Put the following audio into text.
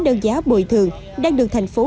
đơn giá bồi thường đang được thành phố